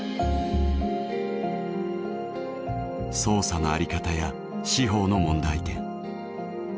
捜査のあり方や司法の問題点